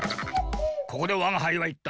ここでわがはいはいった。